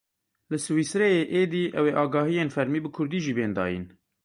Li Swîsreyê êdî ew ê agahiyên fermî bi kurdî jî bên dayîn.